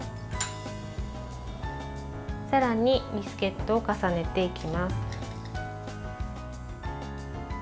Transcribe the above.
さらにビスケットを重ねていきます。